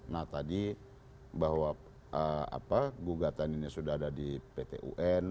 nah tadi bahwa gugatan ini sudah ada di pt un